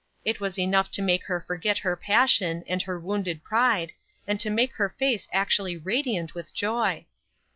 It was enough to make her forget her passion, and her wounded pride, and to make her face actually radiant with joy.